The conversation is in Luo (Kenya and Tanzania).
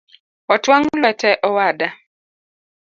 Otwang’ lwete owada